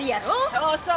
そうそう！